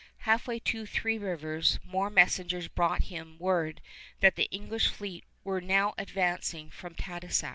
Half way to Three Rivers more messengers brought him word that the English fleet were now advancing from Tadoussac.